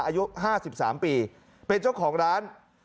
อายุ๕๓ปีเป็นเจ้าของร้าน